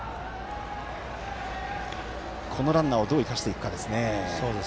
このランナーをどう生かしていくかですね。